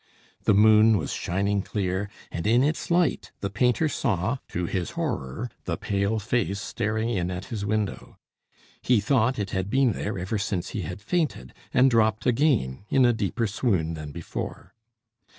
The moon was shining clear, and in its light the painter saw, to his horror, the pale face staring in at his window. He thought it had been there ever since he had fainted, and dropped again in a deeper swoon than before.